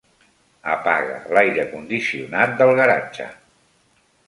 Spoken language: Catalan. Apaga l'aire condicionat del garatge.